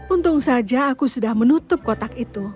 untung saja aku sudah menutup kotak itu